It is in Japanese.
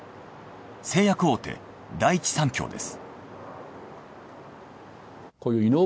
製薬大手第一三共です。